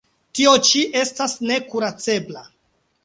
Tio ĉi estas nekuracebla.